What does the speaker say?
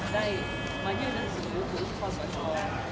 ได้มายื่นหนังสือหรือความประชา